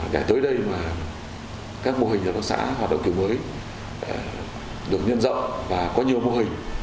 để tới đây mà các mô hình hợp tác xã hoạt động kiểu mới được nhân rộng và có nhiều mô hình